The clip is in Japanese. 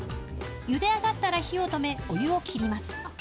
ゆで上がったら火を止め、お湯を切ります。